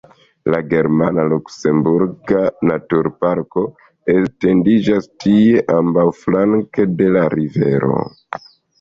La germana-luksemburga naturparko etendiĝas tie ambaŭflanke de la rivero.